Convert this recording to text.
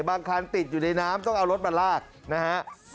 บางคันติดอยู่ในน้ำต้องเอารถมาลากนะฮะ